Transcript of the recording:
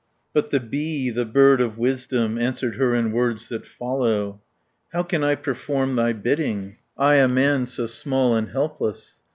But the bee, the bird of wisdom. Answered her in words that follow: 490 "How can I perform thy bidding, I a man so small and helpless?"